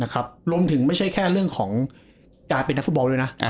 รวมถึงไม่ใช่แค่เรื่องของการเป็นนักฟุตบอลด้วยนะ